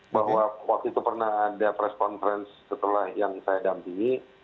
bahwa waktu itu pernah ada press conference setelah yang saya dampingi